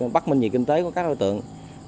bắt minh về kinh tế của các đối tượng